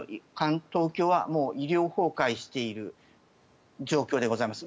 東京は医療崩壊している状況でございます。